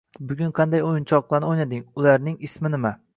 Bugun qanday o‘yinchoqlarni o‘ynading? Ularning ismi nima?